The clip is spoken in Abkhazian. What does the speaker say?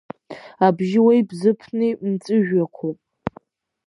Абжьыуеи Бзыԥни мҵәыжәҩақәоуп.